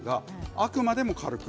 あくまでも軽く。